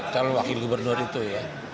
calon wakil gubernur itu ya